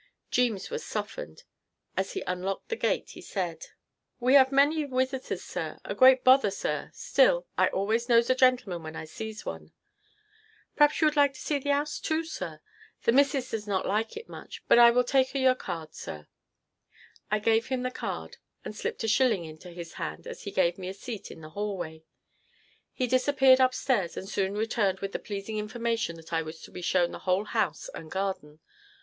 Jeemes was softened. As he unlocked the gate he said: "We 'ave many wisiters, sir; a great bother, sir; still, I always knows a gentleman when I sees one. P'r'aps you would like to see the 'ouse, too, sir. The missus does not like it much, but I will take 'er your card, sir." I gave him the card and slipped a shilling into his hand as he gave me a seat in the hallway. He disappeared upstairs and soon returned with the pleasing information that I was to be shown the whole house and garden.